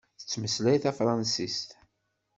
Tettmeslay tafṛansist?